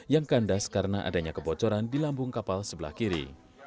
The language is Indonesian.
yang kandas karena adanya kebocoran di lambung kapal sebelah kiri